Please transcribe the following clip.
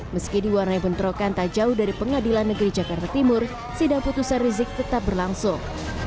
meski diwarnai bentrokan tak jauh dari pengadilan negeri jakarta timur sidang putusan rizik tetap berlangsung